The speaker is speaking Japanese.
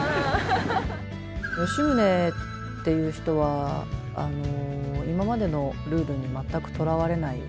吉宗っていう人は今までのルールに全くとらわれない人で。